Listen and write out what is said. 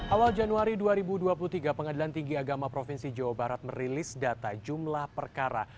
awal januari dua ribu dua puluh tiga pengadilan tinggi agama provinsi jawa barat merilis data jumlah perkara